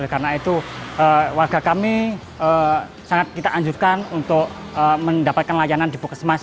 karena itu warga kami sangat kita anjurkan untuk mendapatkan layanan di pukesmas